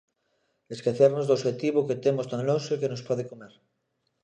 Esquecernos do obxectivo que temos tan lonxe que nos pode comer.